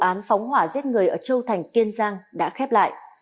thưa quý vị và các bạn hồ sơ vụ án phóng hỏa giết một mươi ở châu thành kiên giang đã khép lại